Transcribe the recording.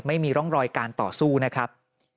ไม่มีร่องรอยการต่อสู้นะครับ